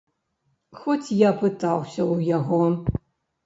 Хоць я пытаўся ў яго.